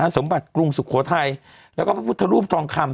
สมบัติกรุงสุโขทัยแล้วก็พระพุทธรูปทองคำ